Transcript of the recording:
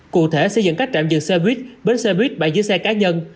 cụ thể xây dựng các trạm dựng xe buýt bến xe buýt bãi dưới xe cá nhân